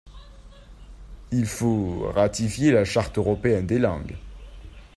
Il faut ratifier la Charte européenne des langues.